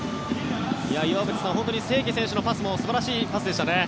岩渕さん、清家選手のパスも素晴らしいパスでしたね。